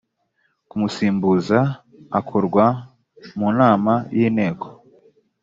kumusimbuza akorwa mu nama y inteko